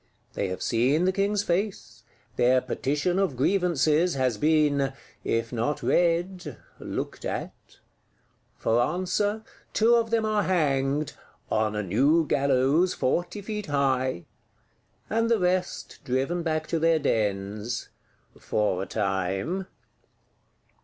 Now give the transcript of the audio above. They have seen the King's face; their Petition of Grievances has been, if not read, looked at. For answer, two of them are hanged, on a "new gallows forty feet high;" and the rest driven back to their dens,—for a time.